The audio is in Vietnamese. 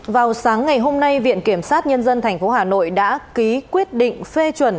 vào sáng ngày hôm nay viện kiểm sát nhân dân tp hà nội đã ký quyết định phê chuẩn